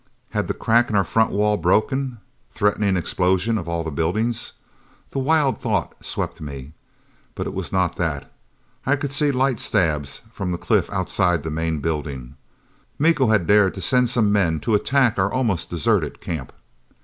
Had the crack in our front wall broken, threatening explosion of all the buildings? The wild thought swept me. But it was not that. I could see light stabs from the cliff outside the main building. Miko had dared to send some men to attack our almost deserted camp!